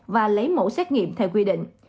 và lấy mẫu xét nghiệm theo quy định